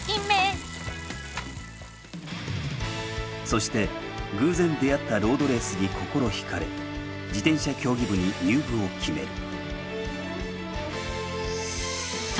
そして偶然出会ったロードレースに心ひかれ自転車競技部に入部を決める。